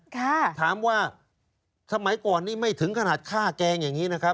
ถามว่าสมัยก่อนนี้ไม่ถึงขนาดฆ่าแกงอย่างนี้นะครับ